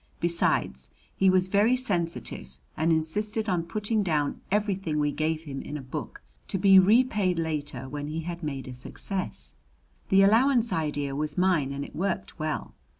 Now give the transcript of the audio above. Besides, he was very sensitive and insisted on putting down everything we gave him in a book, to be repaid later when he had made a success. The allowance idea was mine and it worked well.